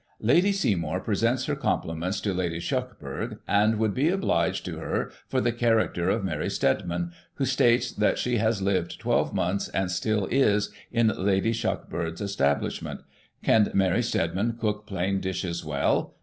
"Lady Seymour presents her compliments to Lady Shuckburgh, and would be obliged to her for the cheiracter of Mary Stedman, who states that she has lived twelve months, and still is, in Lady Shuckburgh's establish ment Can Mary Stedman cook plain dishes well.?